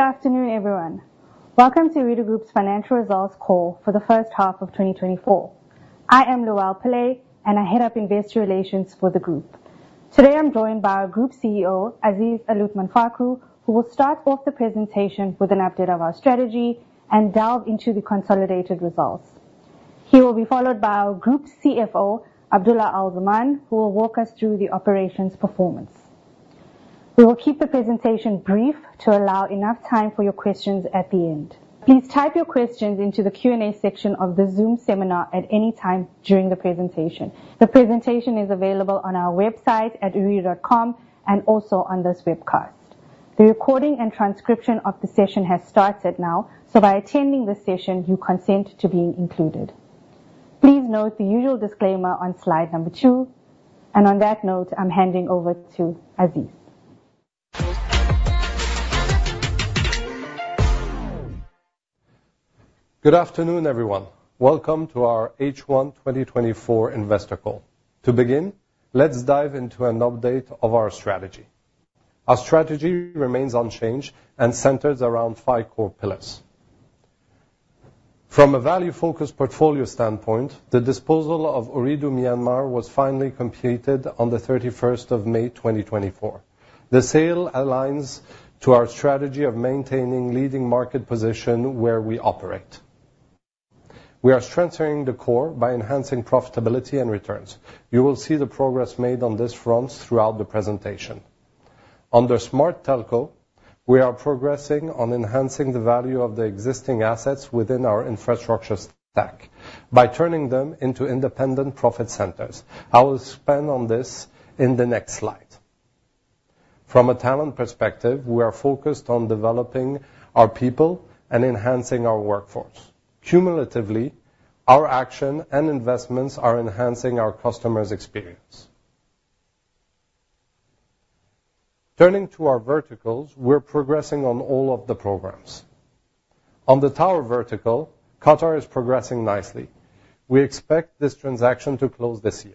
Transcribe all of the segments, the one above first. Good afternoon, everyone. Welcome to Ooredoo Group's financial results call for the first half of 2024. I am Luelle Pillay, and I head up investor relations for the group. Today, I'm joined by our group CEO, Aziz Aluthman Fakhroo, who will start off the presentation with an update of our strategy and delve into the consolidated results. He will be followed by our group CFO, Abdulla Al-Zaman, who will walk us through the operations performance. We will keep the presentation brief to allow enough time for your questions at the end. Please type your questions into the Q&A section of the Zoom seminar at any time during the presentation. The presentation is available on our website at ooredoo.com and also on this webcast. The recording and transcription of the session has started now, so by attending this session, you consent to being included. Please note the usual disclaimer on slide number two, and on that note, I'm handing over to Aziz. Good afternoon, everyone. Welcome to our H1 2024 investor call. To begin, let's dive into an update of our strategy. Our strategy remains unchanged and centers around five core pillars. From a value-focused portfolio standpoint, the disposal of Ooredoo Myanmar was finally completed on the 31st of May, 2024. The sale aligns to our strategy of maintaining leading market position where we operate. We are strengthening the core by enhancing profitability and returns. You will see the progress made on this front throughout the presentation. Under Smart Telco, we are progressing on enhancing the value of the existing assets within our infrastructure stack by turning them into independent profit centers. I will expand on this in the next slide. From a talent perspective, we are focused on developing our people and enhancing our workforce. Cumulatively, our action and investments are enhancing our customers' experience. Turning to our verticals, we're progressing on all of the programs. On the tower vertical, Qatar is progressing nicely. We expect this transaction to close this year.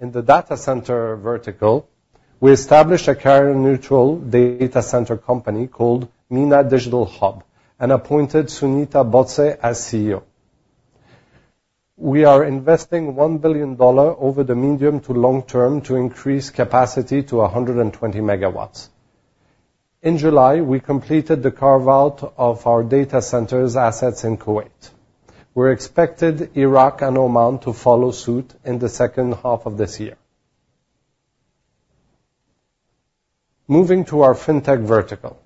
In the data center vertical, we established a carrier-neutral data center company called MENA Digital Hub, and appointed Sunita Bottse as CEO. We are investing $1 billion over the medium to long term to increase capacity to 120 MW. In July, we completed the carve-out of our data centers assets in Kuwait. We expected Iraq and Oman to follow suit in the second half of this year. Moving to our fintech vertical.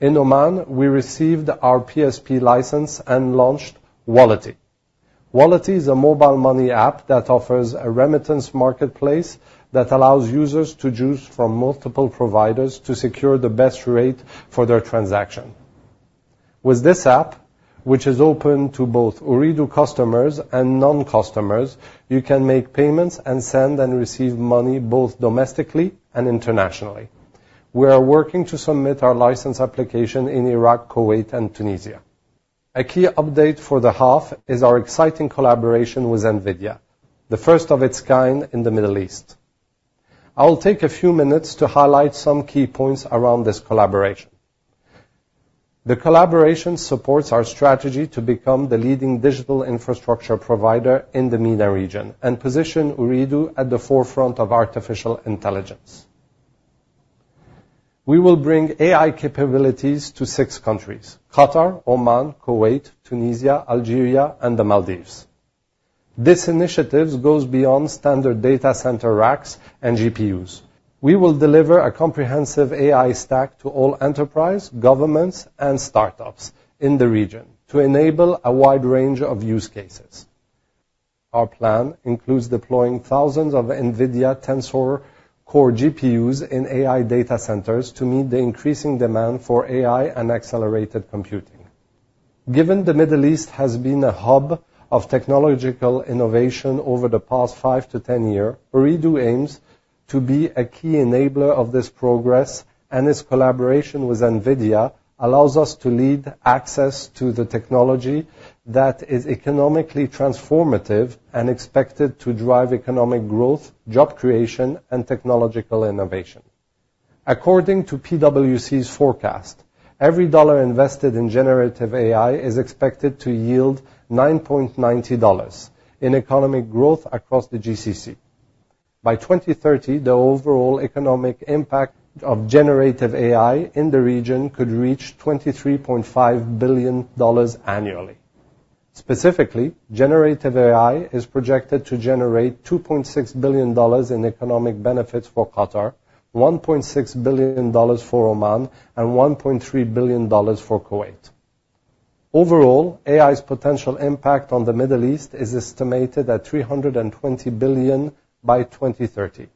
In Oman, we received our PSP license and launched walletii. walletii is a mobile money app that offers a remittance marketplace that allows users to choose from multiple providers to secure the best rate for their transaction. With this app, which is open to both Ooredoo customers and non-customers, you can make payments and send and receive money, both domestically and internationally. We are working to submit our license application in Iraq, Kuwait, and Tunisia. A key update for the half is our exciting collaboration with NVIDIA, the first of its kind in the Middle East. I will take a few minutes to highlight some key points around this collaboration. The collaboration supports our strategy to become the leading digital infrastructure provider in the MENA region and position Ooredoo at the forefront of artificial intelligence. We will bring AI capabilities to six countries: Qatar, Oman, Kuwait, Tunisia, Algeria, and the Maldives. This initiative goes beyond standard data center racks and GPUs. We will deliver a comprehensive AI stack to all enterprises, governments, and startups in the region to enable a wide range of use cases. Our plan includes deploying thousands of NVIDIA Tensor Core GPUs in AI data centers to meet the increasing demand for AI and accelerated computing. Given the Middle East has been a hub of technological innovation over the past 5-10 years, Ooredoo aims to be a key enabler of this progress, and this collaboration with NVIDIA allows us to lead access to the technology that is economically transformative and expected to drive economic growth, job creation, and technological innovation. According to PwC's forecast, every dollar invested in generative AI is expected to yield $9.90 in economic growth across the GCC. By 2030, the overall economic impact of generative AI in the region could reach $23.5 billion annually. Specifically, generative AI is projected to generate $2.6 billion in economic benefits for Qatar, $1.6 billion for Oman, and $1.3 billion for Kuwait. Overall, AI's potential impact on the Middle East is estimated at $320 billion by 2030,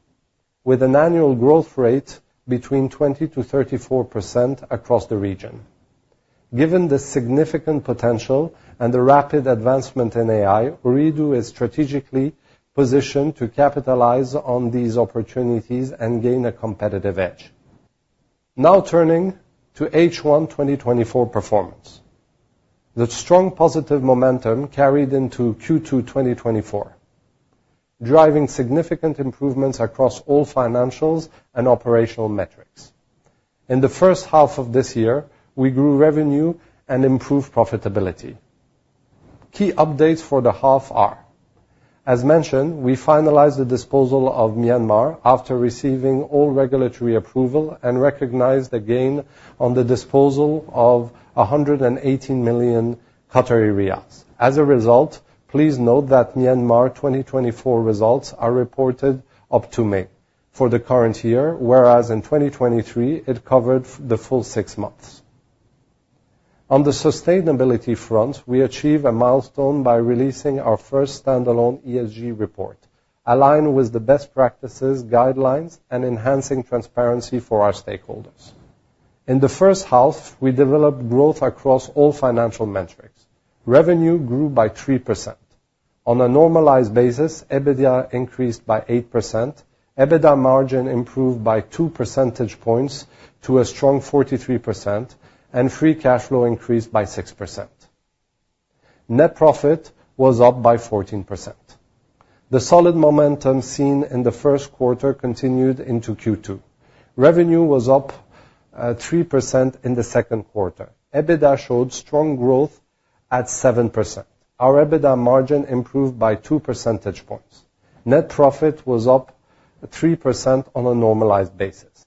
with an annual growth rate between 20%-34% across the region. Given the significant potential and the rapid advancement in AI, Ooredoo is strategically positioned to capitalize on these opportunities and gain a competitive edge. Now turning to H1 2024 performance. The strong positive momentum carried into Q2 2024, driving significant improvements across all financials and operational metrics. In the first half of this year, we grew revenue and improved profitability. Key updates for the half are: as mentioned, we finalized the disposal of Myanmar after receiving all regulatory approval and recognized a gain on the disposal of 118 million Qatari riyals. As a result, please note that Myanmar 2024 results are reported up to May for the current year, whereas in 2023, it covered the full six months. On the sustainability front, we achieved a milestone by releasing our first standalone ESG report, aligned with the best practices, guidelines, and enhancing transparency for our stakeholders. In the first half, we developed growth across all financial metrics. Revenue grew by 3%. On a normalized basis, EBITDA increased by 8%. EBITDA margin improved by 2 percentage points to a strong 43%, and free cash flow increased by 6%. Net profit was up by 14%. The solid momentum seen in the first quarter continued into Q2. Revenue was up 3% in the second quarter. EBITDA showed strong growth at 7%. Our EBITDA margin improved by two percentage points. Net profit was up 3% on a normalized basis.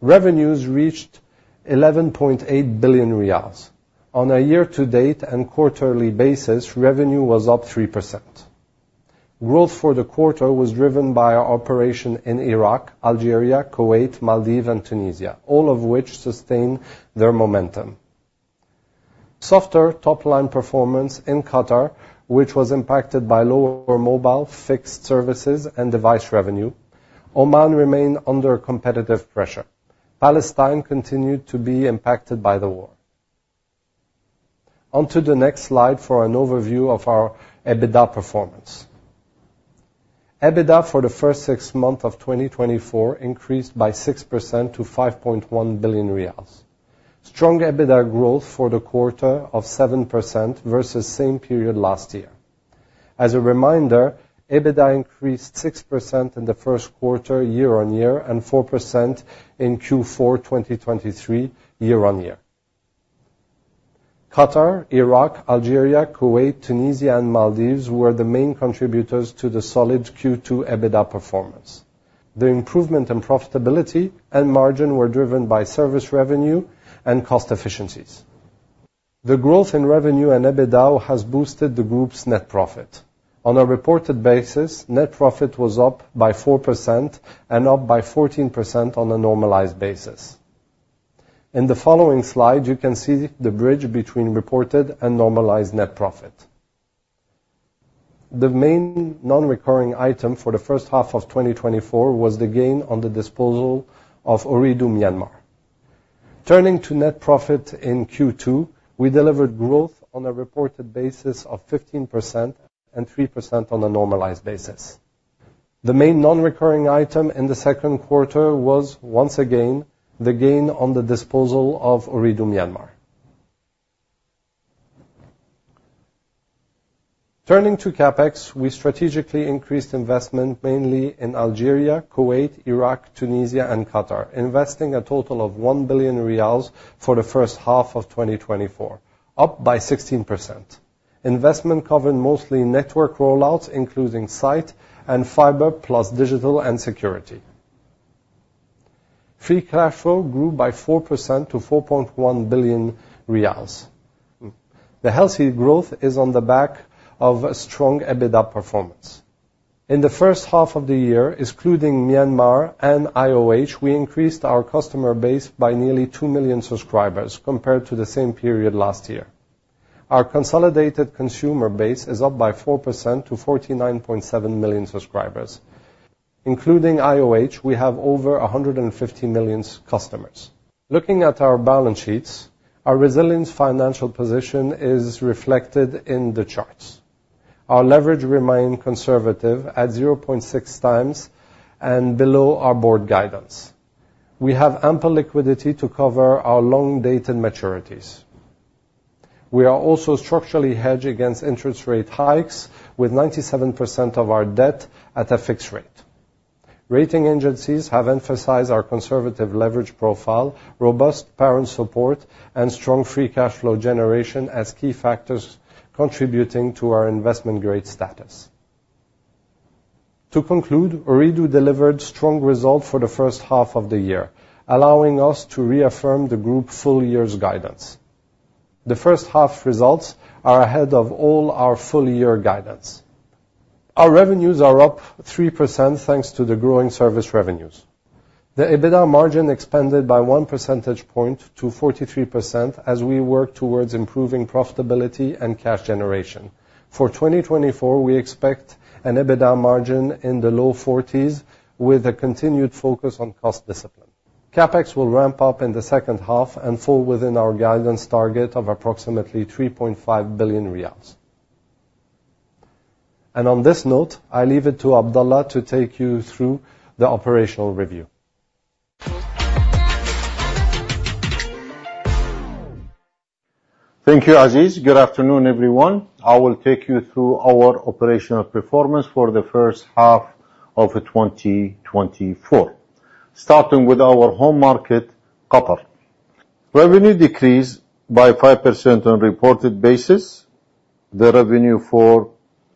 Revenues reached 11.8 billion riyals. On a year-to-date and quarterly basis, revenue was up 3%. Growth for the quarter was driven by our operation in Iraq, Algeria, Kuwait, Maldives, and Tunisia, all of which sustained their momentum. Softer top-line performance in Qatar, which was impacted by lower mobile fixed services and device revenue. Oman remained under competitive pressure. Palestine continued to be impacted by the war. On to the next slide for an overview of our EBITDA performance. EBITDA for the first six months of 2024 increased by 6% to 5.1 billion riyals. Strong EBITDA growth for the quarter of 7% versus same period last year. As a reminder, EBITDA increased 6% in the first quarter, year-on-year, and 4% in Q4 2023, year-on-year. Qatar, Iraq, Algeria, Kuwait, Tunisia, and Maldives were the main contributors to the solid Q2 EBITDA performance. The improvement in profitability and margin were driven by service revenue and cost efficiencies. The growth in revenue and EBITDA has boosted the group's net profit. On a reported basis, net profit was up by 4% and up by 14% on a normalized basis. In the following slide, you can see the bridge between reported and normalized net profit. The main non-recurring item for the first half of 2024 was the gain on the disposal of Ooredoo Myanmar. Turning to net profit in Q2, we delivered growth on a reported basis of 15% and 3% on a normalized basis. The main non-recurring item in the second quarter was, once again, the gain on the disposal of Ooredoo Myanmar. Turning to CapEx, we strategically increased investment, mainly in Algeria, Kuwait, Iraq, Tunisia, and Qatar, investing a total of 1 billion riyals for the first half of 2024, up by 16%. Investment covered mostly network rollouts, including site and fiber, plus digital and security. Free cash flow grew by 4% to 4.1 billion riyals. The healthy growth is on the back of a strong EBITDA performance. In the first half of the year, excluding Myanmar and IOH, we increased our customer base by nearly 2 million subscribers compared to the same period last year. Our consolidated consumer base is up by 4% to 49.7 million subscribers. Including IOH, we have over 150 million customers. Looking at our balance sheets, our resilient financial position is reflected in the charts. Our leverage remain conservative at 0.6 times and below our board guidance. We have ample liquidity to cover our long dated maturities. We are also structurally hedged against interest rate hikes, with 97% of our debt at a fixed rate. Rating agencies have emphasized our conservative leverage profile, robust parent support, and strong free cash flow generation as key factors contributing to our investment-grade status. To conclude, Ooredoo delivered strong results for the first half of the year, allowing us to reaffirm the group full year's guidance. The first half results are ahead of all our full-year guidance. Our revenues are up 3%, thanks to the growing service revenues. The EBITDA margin expanded by one percentage point to 43% as we work towards improving profitability and cash generation. For 2024, we expect an EBITDA margin in the low forties, with a continued focus on cost discipline. CapEx will ramp up in the second half and fall within our guidance target of approximately 3.5 billion riyals. On this note, I leave it to Abdulla to take you through the operational review. ...Thank you, Aziz. Good afternoon, everyone. I will take you through our operational performance for the first half of 2024. Starting with our home market, Qatar. Revenue decreased by 5% on reported basis. The revenue for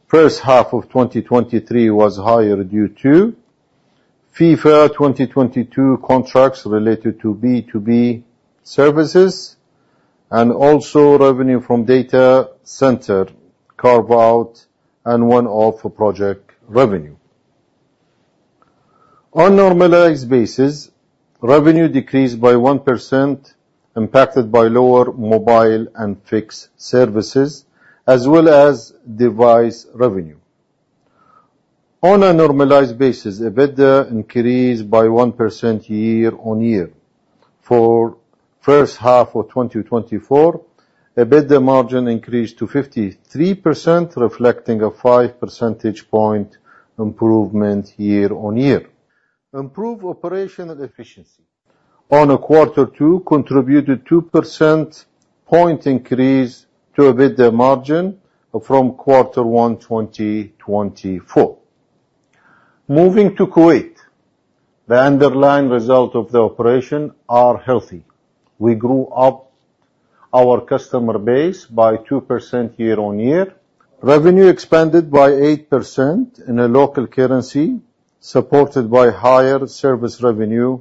first half of 2023 was higher due to FIFA 2022 contracts related to B2B services, and also revenue from data center carve-out and one-off project revenue. On normalized basis, revenue decreased by 1%, impacted by lower mobile and fixed services, as well as device revenue. On a normalized basis, EBITDA increased by 1% year-on-year. For first half of 2024, EBITDA margin increased to 53%, reflecting a 5 percentage point improvement year-on-year. Improved operational efficiency on a Quarter Two contributed 2 percentage point increase to EBITDA margin from Quarter One, 2024. Moving to Kuwait, the underlying result of the operation are healthy. We grew our customer base by 2% year-on-year. Revenue expanded by 8% in local currency, supported by higher service revenue,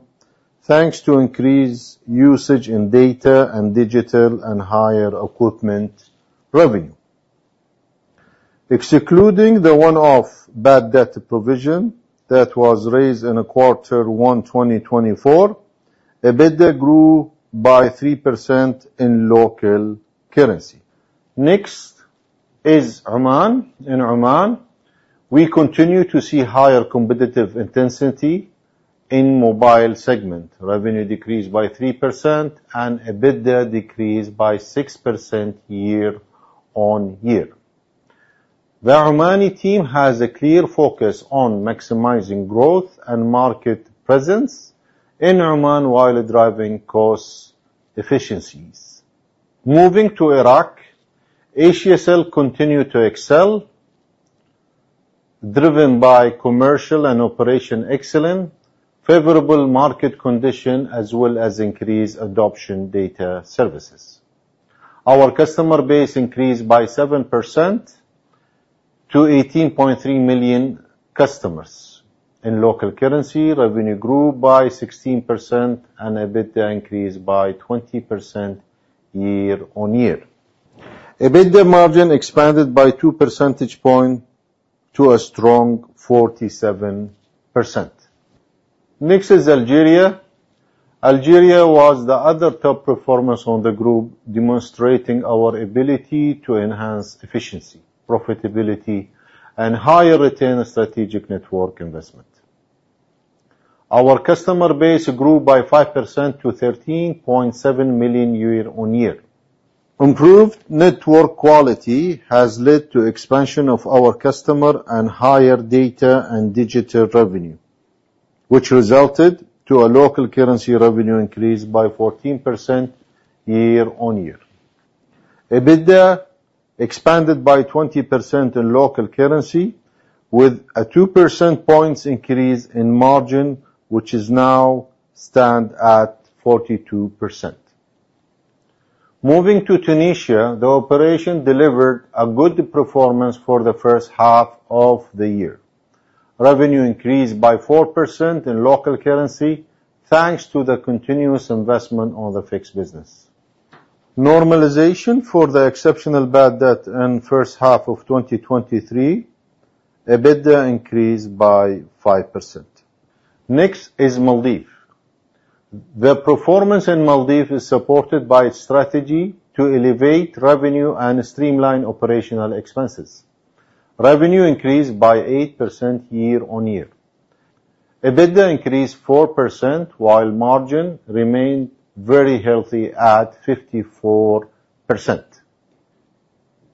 thanks to increased usage in data and digital and higher equipment revenue. Excluding the one-off bad debt provision that was raised in Quarter 1, 2024, EBITDA grew by 3% in local currency. Next is Oman. In Oman, we continue to see higher competitive intensity in mobile segment. Revenue decreased by 3% and EBITDA decreased by 6% year-on-year. The Omani team has a clear focus on maximizing growth and market presence in Oman while driving cost efficiencies. Moving to Iraq, as you see, Asiacell continues to excel, driven by commercial and operational excellence, favorable market condition, as well as increased adoption data services. Our customer base increased by 7% to 18.3 million customers. In local currency, revenue grew by 16% and EBITDA increased by 20% year-on-year. EBITDA margin expanded by 2 percentage points to a strong 47%. Next is Algeria. Algeria was the other top performer on the group, demonstrating our ability to enhance efficiency, profitability, and higher return on strategic network investment. Our customer base grew by 5% to 13.7 million year-on-year. Improved network quality has led to expansion of our customer and higher data and digital revenue, which resulted to a local currency revenue increase by 14% year-on-year. EBITDA expanded by 20% in local currency, with a 2 percentage points increase in margin, which is now stand at 42%. Moving to Tunisia, the operation delivered a good performance for the first half of the year. Revenue increased by 4% in local currency, thanks to the continuous investment on the fixed business. Normalization for the exceptional bad debt in first half of 2023, EBITDA increased by 5%. Next is Maldives. The performance in Maldives is supported by a strategy to elevate revenue and streamline operational expenses. Revenue increased by 8% year-on-year. EBITDA increased 4%, while margin remained very healthy at 54%.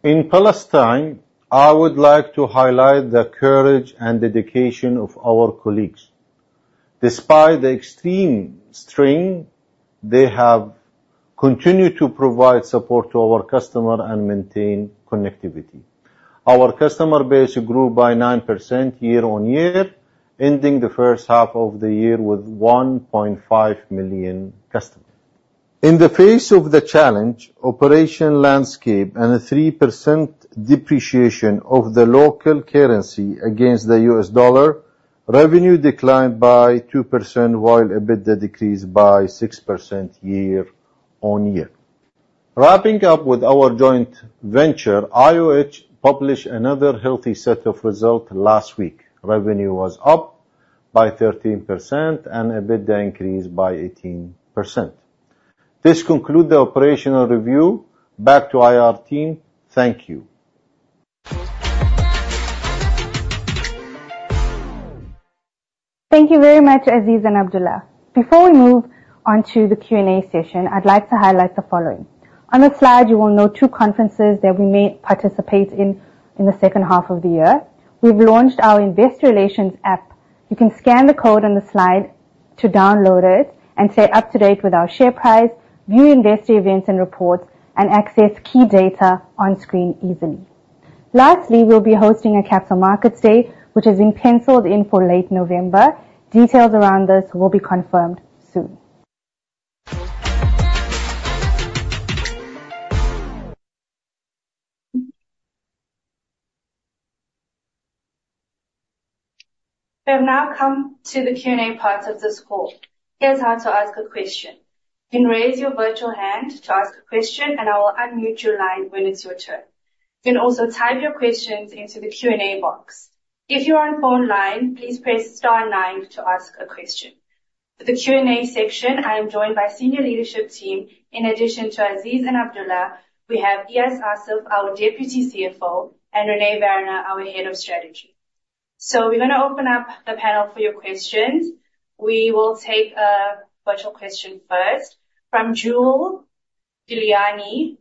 In Palestine, I would like to highlight the courage and dedication of our colleagues. Despite the extreme strain, they have continued to provide support to our customer and maintain connectivity. Our customer base grew by 9% year-on-year, ending the first half of the year with 1.5 million customers. In the face of the challenge, operational landscape, and a 3% depreciation of the local currency against the US dollar, revenue declined by 2%, while EBITDA decreased by 6% year-on-year. Wrapping up with our joint venture, IOH published another healthy set of results last week. Revenue was up by 13% and EBITDA increased by 18%. This concludes the operational review. Back to IR team. Thank you. Thank you very much, Aziz and Abdulla. Before we move on to the Q&A session, I'd like to highlight the following. On this slide, you will note two conferences that we may participate in in the second half of the year. We've launched our Investor Relations App. You can scan the code on the slide.... to download it and stay up to date with our share price, view investor events and reports, and access key data on screen easily. Lastly, we'll be hosting a capital markets day, which has been penciled in for late November. Details around this will be confirmed soon. We have now come to the Q&A part of this call. Here's how to ask a question. You can raise your virtual hand to ask a question, and I will unmute your line when it's your turn. You can also type your questions into the Q&A box. If you are on phone line, please press star nine to ask a question. For the Q&A section, I am joined by senior leadership team. In addition to Aziz and Abdullah, we have Eyas Assaf, our Deputy CFO, and René Werner, our Head of Strategy. So we're going to open up the panel for your questions. We will take a virtual question first from Jewel Giuliani.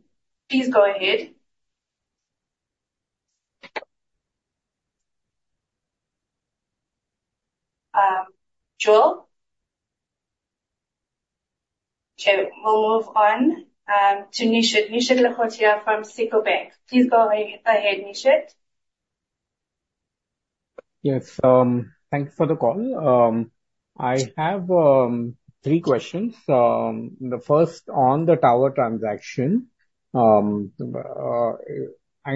Please go ahead. Jewel? Okay, we'll move on to Nishit. Nishit Lakhotia from SICO Bank. Please go ahead, Nishit. Yes, thank you for the call. I have three questions. The first on the tower transaction. I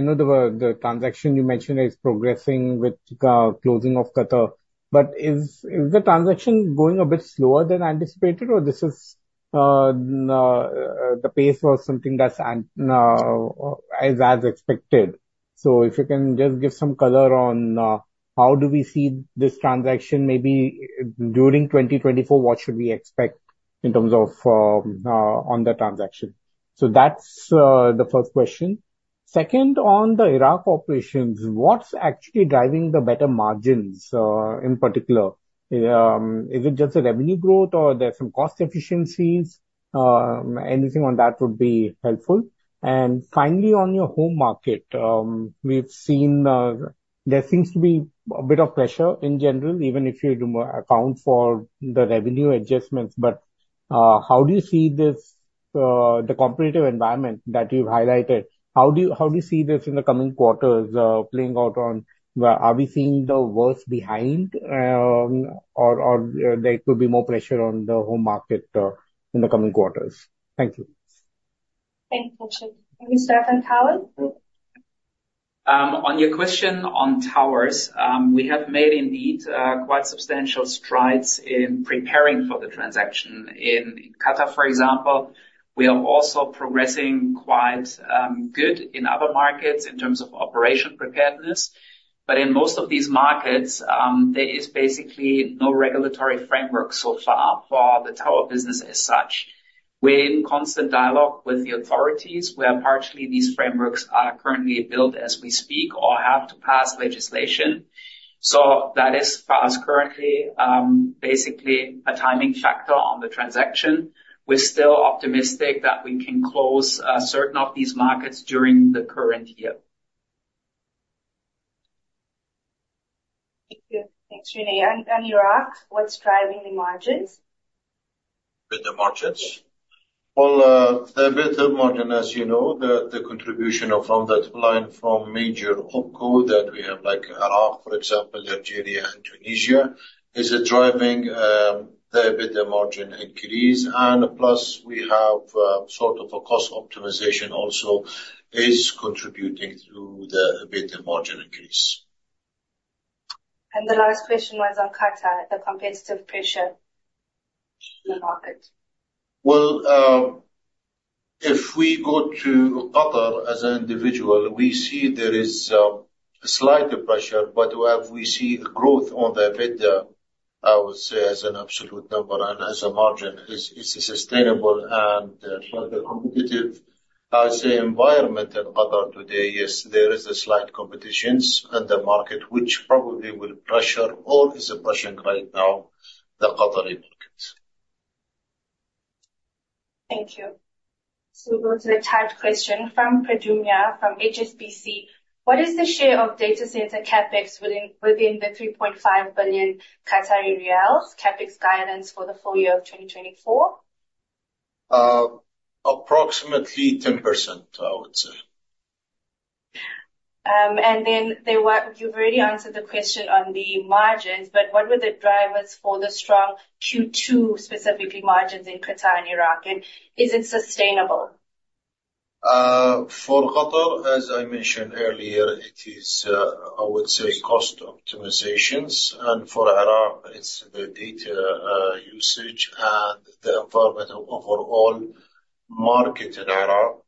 know the transaction you mentioned is progressing with closing of Qatar, but is the transaction going a bit slower than anticipated, or this is the pace or something that's as expected? So if you can just give some color on how do we see this transaction maybe during 2024, what should we expect in terms of on the transaction? So that's the first question. Second, on the Iraq operations, what's actually driving the better margins in particular? Is it just the revenue growth or there are some cost efficiencies? Anything on that would be helpful. And finally, on your home market, we've seen, there seems to be a bit of pressure in general, even if you account for the revenue adjustments. But, how do you see this, the competitive environment that you've highlighted? How do you, how do you see this in the coming quarters, playing out on... are we seeing the worst behind, or, or there could be more pressure on the home market, in the coming quarters? Thank you. Thank you, Nishit. Can you start on tower? On your question on towers, we have made indeed quite substantial strides in preparing for the transaction. In Qatar, for example, we are also progressing quite good in other markets in terms of operation preparedness. But in most of these markets, there is basically no regulatory framework so far for the tower business as such. We're in constant dialogue with the authorities, where partially these frameworks are currently built as we speak or have to pass legislation. So that is, for us, currently, basically a timing factor on the transaction. We're still optimistic that we can close certain of these markets during the current year. Thank you. Thanks, René. And Iraq, what's driving the margins? Better margins? Yes. Well, the better margin, as you know, the contribution from that line from major OpCo that we have, like Iraq, for example, Algeria and Tunisia, is driving the EBITDA margin increase. And plus, we have sort of a cost optimization also is contributing to the EBITDA margin increase. The last question was on Qatar, the competitive pressure in the market. Well, if we go to Qatar as an individual, we see there is a slight pressure, but where we see growth on the EBITDA, I would say, as an absolute number and as a margin, is sustainable. And for the competitive, I say, environment in Qatar today, yes, there is a slight competition in the market, which probably will pressure or is a pressure right now, the Qatari market. Thank you. So we'll go to the typed question from Pradyumna, from HSBC: What is the share of data center CapEx within the 3.5 billion Qatari riyals CapEx guidance for the full year of 2024? Approximately 10%, I would say. You've already answered the question on the margins, but what were the drivers for the strong Q2, specifically margins in Qatar and Iraq, and is it sustainable? For Qatar, as I mentioned earlier, it is, I would say, cost optimizations, and for Iraq, it's the data usage and the environment overall market in Iraq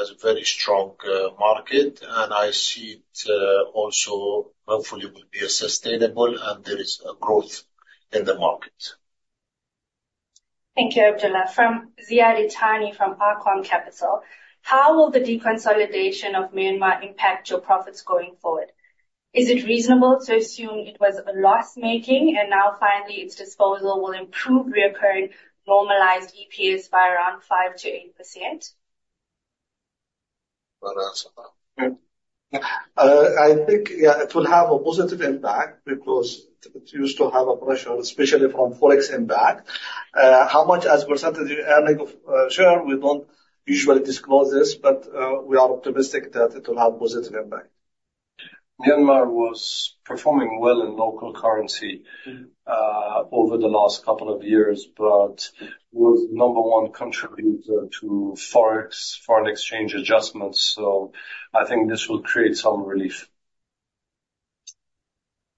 is a very strong market, and I see it also hopefully will be sustainable, and there is a growth in the market. Thank you, Abdulla. From Ziad Itani, from Arqaam Capital: How will the deconsolidation of Myanmar impact your profits going forward? Is it reasonable to assume it was a loss-making, and now finally, its disposal will improve recurring normalized EPS by around 5%-8%?... I think, yeah, it will have a positive impact because it used to have a pressure, especially from Forex impact. How much as percentage earning of share? We don't usually disclose this, but, we are optimistic that it will have positive impact. Myanmar was performing well in local currency- Mm. over the last couple of years, but was number one contributor to Forex foreign exchange adjustments, so I think this will create some relief.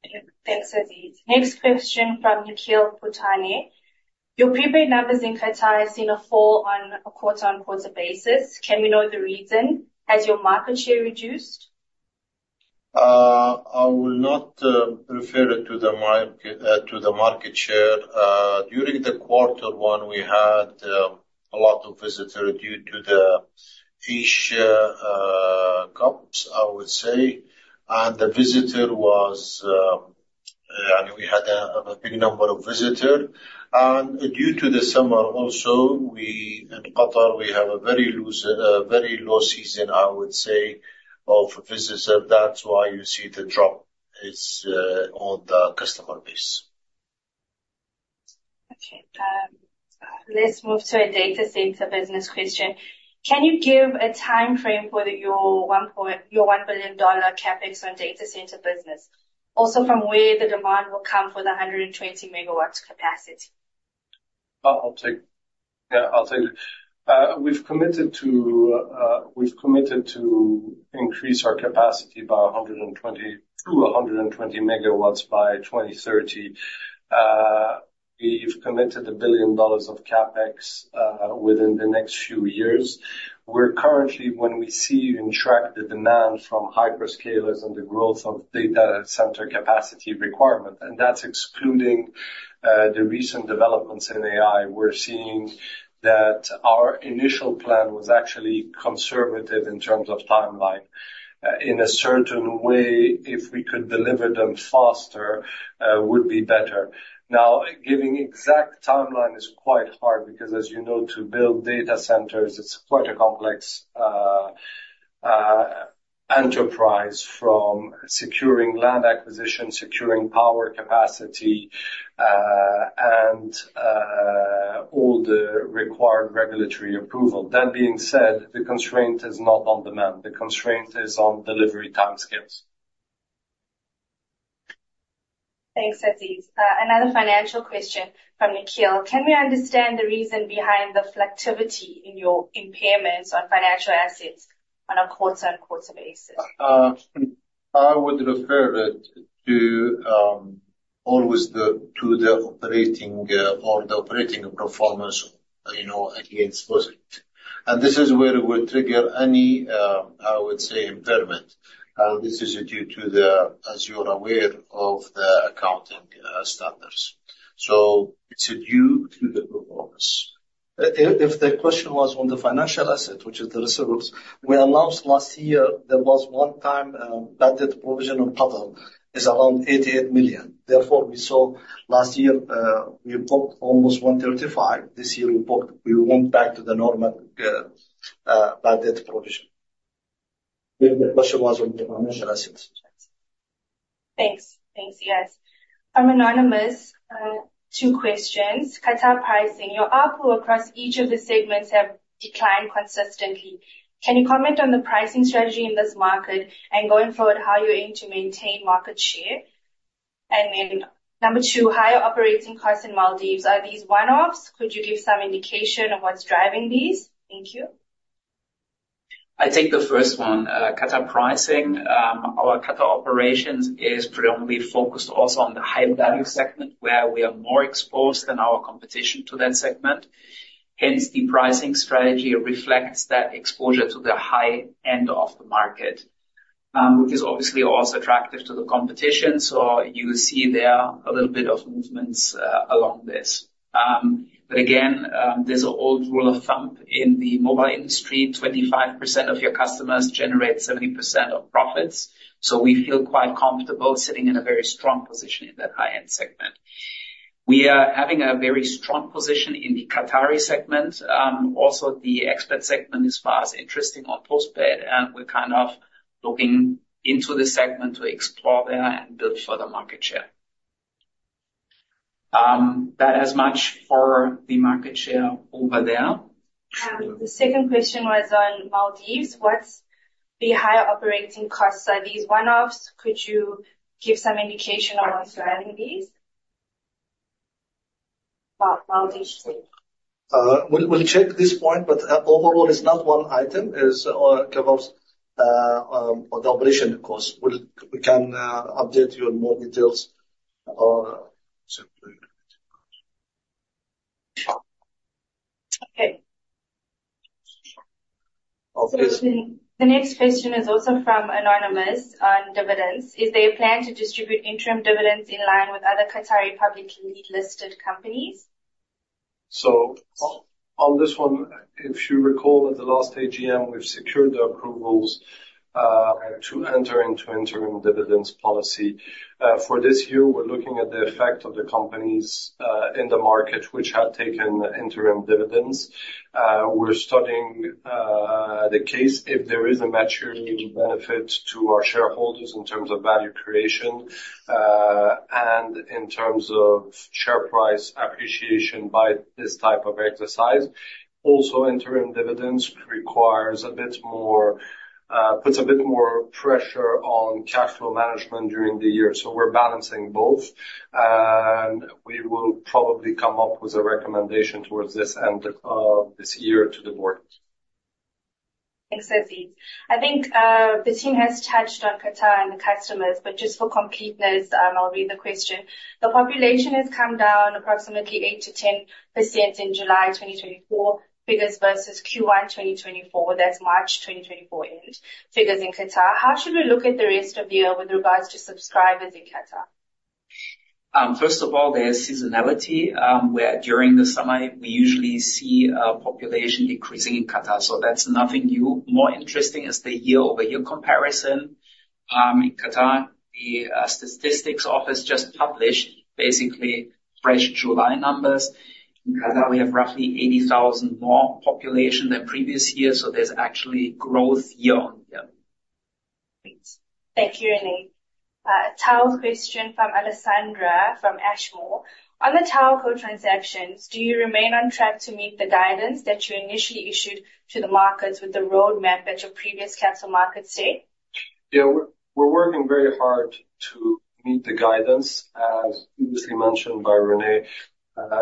Okay, thanks, Aziz. Next question from Nikhil Bhutani: Your prepaid numbers in Qatar has seen a fall on a quarter-over-quarter basis. Can we know the reason? Has your market share reduced? I will not refer it to the market share. During the quarter one, we had a lot of visitor due to the Asian Cup, I would say. And the visitor was. We had a big number of visitor. And due to the summer also, we in Qatar have a very low season, I would say, of visitors. That's why you see the drop. It's on the customer base. Okay, let's move to a data center business question. Can you give a timeframe for your $1 billion CapEx on data center business? Also, from where the demand will come for the 120 MW capacity. I'll take... Yeah, I'll take it. We've committed to, we've committed to increase our capacity by 120, to 120 MW by 2030. We've committed $1 billion of CapEx within the next few years. We're currently, when we see and track the demand from hyperscalers and the growth of data center capacity requirement, and that's excluding the recent developments in AI, we're seeing that our initial plan was actually conservative in terms of timeline. In a certain way, if we could deliver them faster, would be better. Now, giving exact timeline is quite hard because, as you know, to build data centers, it's quite a complex enterprise from securing land acquisition, securing power capacity, and all the required regulatory approval. That being said, the constraint is not on demand. The constraint is on delivery timescales. Thanks, Aziz. Another financial question from Nikhil. Can we understand the reason behind the volatility in your impairments on financial assets on a quarter-over-quarter basis? I would refer it to always the, to the operating, or the operating performance, you know, against budget. And this is where it would trigger any, I would say, impairment. And this is due to the, as you're aware of the accounting, standards. So it's due to the performance. If, if the question was on the financial asset, which is the reserves, we announced last year, there was one time, that the provision on Qatar is around 88 million. Therefore, we saw last year, we booked almost 135 million. This year, we booked, we went back to the normal, bad debt provision. If the question was on the financial assets. Thanks. Thanks, yes. I'm Anonymous. two questions. Qatar pricing. Your ARPU across each of the segments have declined consistently. Can you comment on the pricing strategy in this market, and going forward, how you aim to maintain market share? And then number 2, higher operating costs in Maldives, are these one-offs? Could you give some indication of what's driving these? Thank you. I'll take the first one. Qatar pricing. Our Qatar operations is predominantly focused also on the high-value segment, where we are more exposed than our competition to that segment. Hence, the pricing strategy reflects that exposure to the high end of the market, which is obviously also attractive to the competition. So you see there are a little bit of movements along this. But again, there's an old rule of thumb in the mobile industry, 25% of your customers generate 70% of profits. So we feel quite comfortable sitting in a very strong position in that high-end segment. We are having a very strong position in the Qatari segment. Also, the expert segment, as far as interesting on postpaid, and we're kind of looking into the segment to explore there and build further market share. That's as much for the market share over there. The second question was on Maldives. What's the higher operating costs? Are these one-offs? Could you give some indication on surrounding these? Maldives thing. We'll check this point, but overall, it's not one item. It's about the operation cost. We'll... We can update you on more details on simply. Okay. Of this- The next question is also from Anonymous on dividends. Is there a plan to distribute interim dividends in line with other Qatari publicly listed companies? So on this one, if you recall at the last AGM, we've secured the approvals to enter into interim dividends policy. For this year, we're looking at the effect of the companies in the market which have taken interim dividends. We're studying the case if there is a material benefit to our shareholders in terms of value creation and in terms of share price appreciation by this type of exercise. Also, interim dividends requires a bit more, puts a bit more pressure on cash flow management during the year. So we're balancing both, and we will probably come up with a recommendation towards the end of this year to the board. Thanks, Aziz. I think, the team has touched on Qatar and the customers, but just for completeness, I'll read the question. The population has come down approximately 8%-10% in July 2024, figures versus Q1, 2024, that's March 2024 end figures in Qatar. How should we look at the rest of the year with regards to subscribers in Qatar? First of all, there's seasonality, where during the summer we usually see a population increasing in Qatar, so that's nothing new. More interesting is the year-over-year comparison. In Qatar, the statistics office just published basically fresh July numbers. In Qatar, we have roughly 80,000 more population than previous years, so there's actually growth year-over-year. Thanks. Thank you, René. Tower question from Alessandra, from Ashmore. On the tower co transactions, do you remain on track to meet the guidance that you initially issued to the markets with the roadmap at your previous Capital Markets Day? Yeah. We're, we're working very hard to meet the guidance. As previously mentioned by René,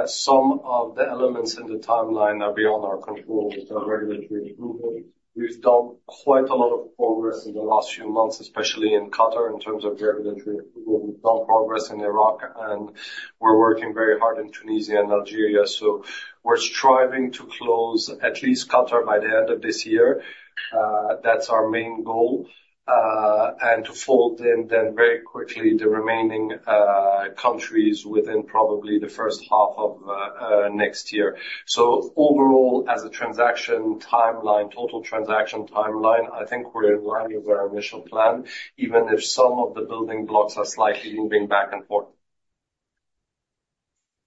some of the elements in the timeline are beyond our control with the regulatory approval. We've done quite a lot of progress in the last few months, especially in Qatar, in terms of the regulatory approval. We've done progress in Iraq, and we're working very hard in Tunisia and Algeria. So we're striving to close at least Qatar by the end of this year. That's our main goal, and to fold in then very quickly the remaining countries within probably the first half of next year. So overall, as a transaction timeline, total transaction timeline, I think we're in line with our initial plan, even if some of the building blocks are slightly moving back and forth.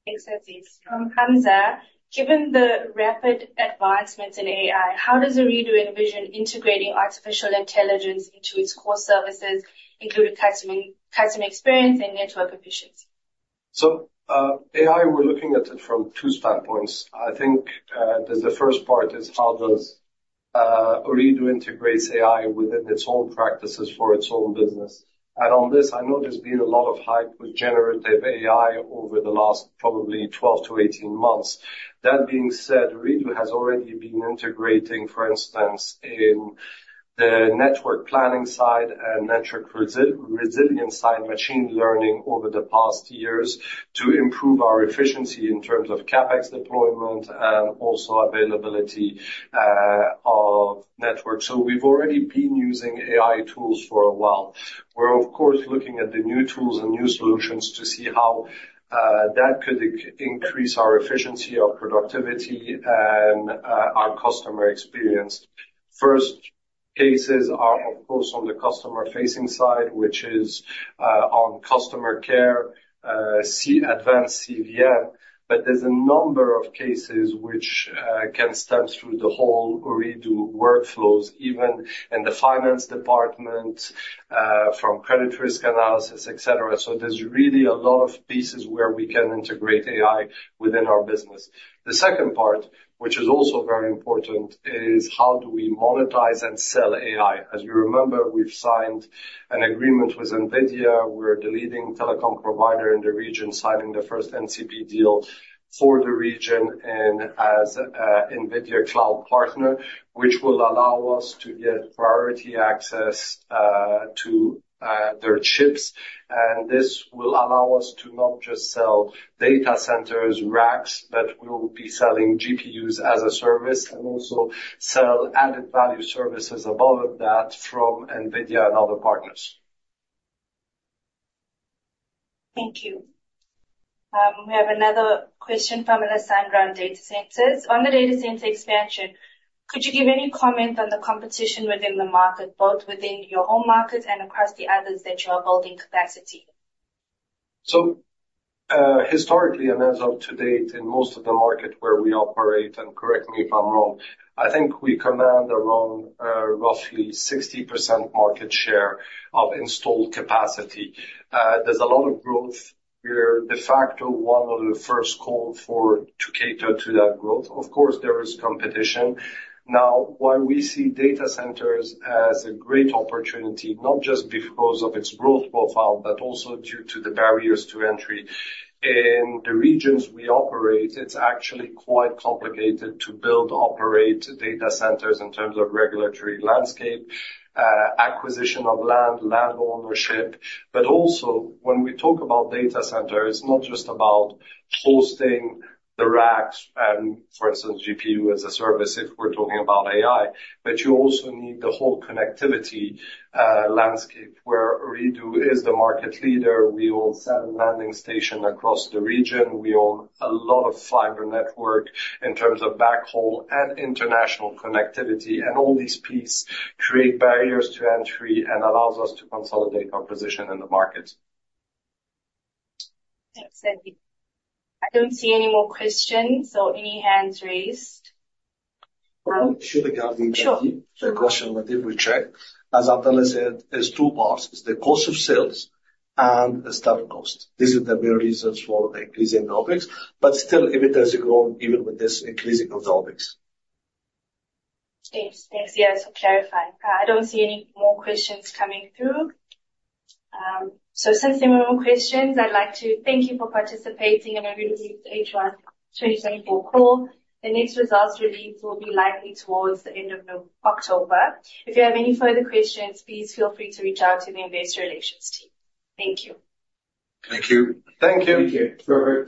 Thanks, Aziz. From Hamza: Given the rapid advancements in AI, how does Ooredoo envision integrating artificial intelligence into its core services, including customer, customer experience and network efficiency? So, AI, we're looking at it from two standpoints. I think, there's the first part is how does Ooredoo integrates AI within its own practices for its own business? And on this, I know there's been a lot of hype with generative AI over the last probably 12-18 months. That being said, Ooredoo has already been integrating, for instance, in the network planning side and network resilience side, machine learning over the past years to improve our efficiency in terms of CapEx deployment and also availability of network. So we've already been using AI tools for a while. We're of course, looking at the new tools and new solutions to see how that could increase our efficiency, our productivity, and our customer experience. First cases are, of course, on the customer-facing side, which is on customer care, advanced CVM. But there's a number of cases which can stem through the whole Ooredoo workflows, even in the finance department, from credit risk analysis, et cetera. So there's really a lot of pieces where we can integrate AI within our business. The second part, which is also very important, is how do we monetize and sell AI? As you remember, we've signed an agreement with NVIDIA. We're the leading telecom provider in the region, signing the first NCP deal for the region and as a NVIDIA Cloud Partner, which will allow us to get priority access to their chips. And this will allow us to not just sell data centers, racks, but we will be selling GPUs as a service and also sell added value services above that from NVIDIA and other partners. Thank you. We have another question from Alessandra on data centers. On the data center expansion, could you give any comment on the competition within the market, both within your own market and across the others that you are building capacity? So, historically, and as of to date, in most of the market where we operate, and correct me if I'm wrong, I think we command around, roughly 60% market share of installed capacity. There's a lot of growth. We're de facto, one of the first called for to cater to that growth. Of course, there is competition. Now, why we see data centers as a great opportunity, not just because of its growth profile, but also due to the barriers to entry. In the regions we operate, it's actually quite complicated to build, operate data centers in terms of regulatory landscape, acquisition of land, land ownership. But also, when we talk about data center, it's not just about hosting the racks and, for instance, GPU as a service, if we're talking about AI, but you also need the whole connectivity landscape where Ooredoo is the market leader. We own seven landing station across the region. We own a lot of fiber network in terms of backhaul and international connectivity, and all these pieces create barriers to entry and allows us to consolidate our position in the market. Thanks, Aziz. I don't see any more questions, so any hands raised? Sure, regarding- Sure. The question that we checked, as Abdulla said, there's two parts: There's the cost of sales and the startup cost. This is the main reasons for the increase in OpEx, but still, EBITDA has grown even with this increase in OpEx. Thanks. Thanks. Yes, clarified. I don't see any more questions coming through. So since there are no more questions, I'd like to thank you for participating in Ooredoo's H1 2024 call. The next results release will be likely towards the end of October. If you have any further questions, please feel free to reach out to the investor relations team. Thank you. Thank you. Thank you. Thank you. Bye bye.